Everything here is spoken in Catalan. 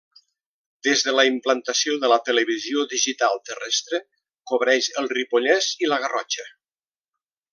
Des de la implantació de la Televisió Digital Terrestre cobreix el Ripollès i la Garrotxa.